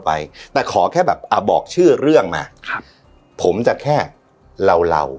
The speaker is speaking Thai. ไปแต่ขอแค่แบบอ่าบอกชื่อเรื่องมาครับผมจะแค่เราเหล่าเรา